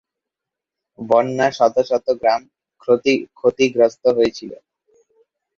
বন্যা শত শত গ্রাম ক্ষতিগ্রস্ত হয়েছিল।